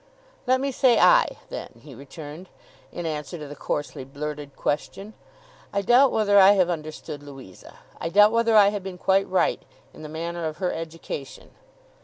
'Let me say I, then,' he returned, in answer to the coarsely blurted question; 'I doubt whether I have understood Louisa. I doubt whether I have been quite right in the manner of her education.